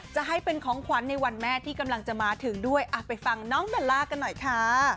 จะให้เป็นของขวัญในวันแม่ที่กำลังจะมาถึงด้วยไปฟังน้องเบลล่ากันหน่อยค่ะ